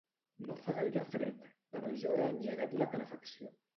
No fa gaire fred però jo he engegat la calefacció